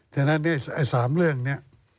ฉะนั้น๓เรื่องนี้